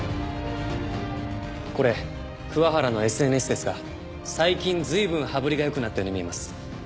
これ桑原のＳＮＳですが最近随分羽振りがよくなったように見えます。